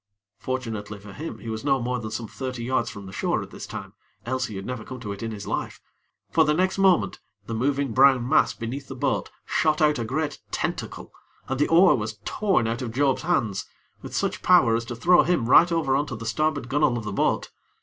Fortunately for him he was no more than some thirty yards from the shore at this time, else he had never come to it in this life; for the next moment the moving brown mass beneath the boat shot out a great tentacle and the oar was torn out of Job's hands with such power as to throw him right over on to the starboard gunnel of the boat.